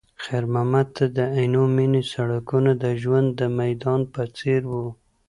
خیر محمد ته د عینومېنې سړکونه د ژوند د میدان په څېر وو.